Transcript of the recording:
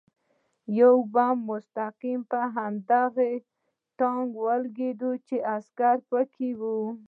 یو بم مستقیم په هماغه ټانک ولګېد چې عسکر پکې و